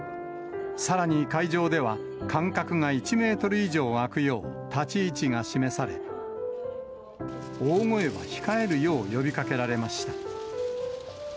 さらに会場では、間隔が１メートル以上空くよう、立ち位置が示され、大声は控えるよう呼びかけられました。